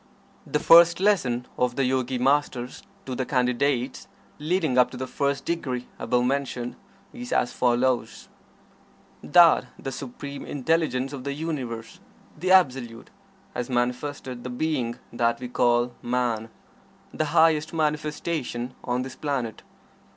The first lesson of the Yogi Masters to the Candidates, leading up to the first degree, above mentioned, is as follows: That the Supreme Intelligence of the Universe the Absolute has manifested the being that we call Man the highest manifestation on this planet.